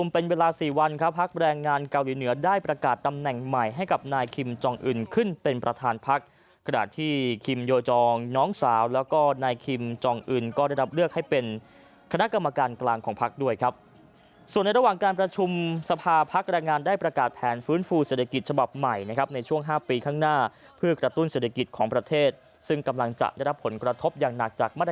เป็นประธานพักษ์ขนาดที่คิมโยจองน้องสาวแล้วก็นายคิมจองอื่นก็ได้รับเลือกให้เป็นคณะกรรมการกลางของพักด้วยครับส่วนในระหว่างการประชุมสภาพักษ์แรงงานได้ประกาศแผนฟื้นฟูเศรษฐกิจฉบับใหม่นะครับในช่วง๕ปีข้างหน้าเพื่อกระตุ้นเศรษฐกิจของประเทศซึ่งกำลังจะได้รับผลกระ